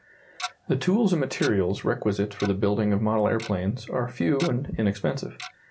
The tools and materials requisite for the building of model aeroplanes are few and inexpensive.